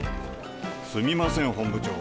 すみません本部長